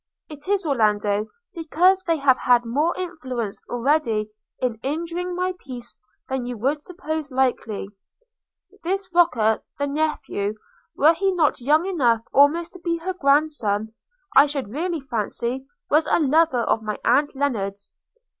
It is, Orlando, because they have had more influence already in injuring my peace than you would suppose likely. This Roker (the nephew), were he not young enough almost to be her grandson, I should really fancy was a lover of my aunt Lennard's.